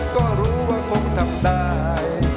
ก็รู้ว่าคงทำได้